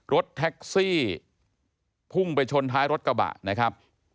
รถแท็กซี่พุ่งไปชนท้ายรถกระบะนะครับ